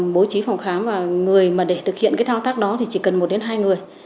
bố trí phòng khám và người mà để thực hiện cái thao tác đó thì chỉ cần một đến hai người